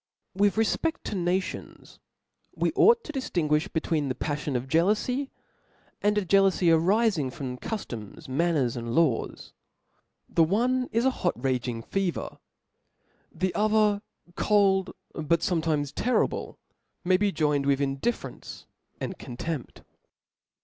»oo c ^fXTlTH refpeft to Mtions we ought to di b< ^^ ftinguiih between the paflion of jeaJoufy, p. ^^^• and a jealoufy arifing from cuftoms, manners, and tal^i^ Jaws. The one is a hot raging fever 5 the other, cold^ but fometimes terrible, may be joined with indifference and contempt.